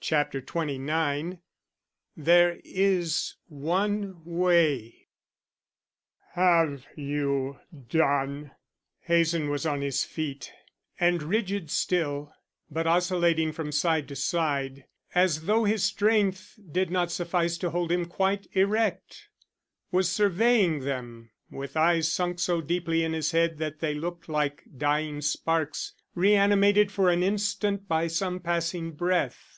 CHAPTER XXIX "THERE IS ONE WAY" "Have you done?" Hazen was on his feet and, rigid still, but oscillating from side to side, as though his strength did not suffice to hold him quite erect, was surveying them with eyes sunk so deeply in his head that they looked like dying sparks reanimated for an instant by some passing breath.